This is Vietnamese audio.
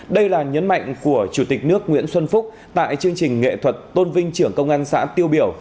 đây là nhấn mạnh của chủ tịch nước nguyễn xuân phúc tại chương trình nghệ thuật tôn vinh trưởng công an xã tiêu biểu